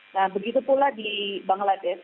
nah begitu pula di bangladesh